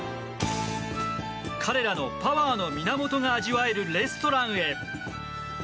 彼らのパワーの源が味わえるレストランへ。